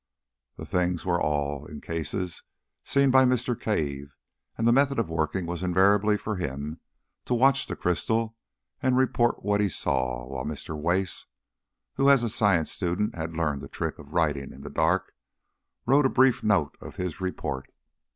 The things were in all cases seen by Mr. Cave, and the method of working was invariably for him to watch the crystal and report what he saw, while Mr. Wace (who as a science student had learnt the trick of writing in the dark) wrote a brief note of his report.